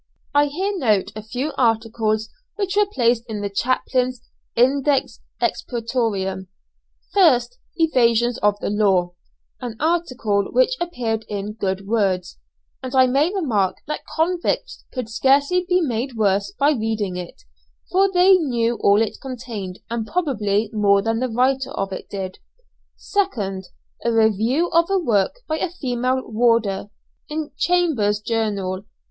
I here note a few articles which were placed in the chaplain's Index Expurgatoriam, 1st "Evasions of the Law," an article which appeared in "Good Words," and I may remark that convicts could scarcely be made worse by reading it, for they knew all it contained and probably more than the writer of it did. 2nd A review of a work by a female warder, in "Chambers's Journal."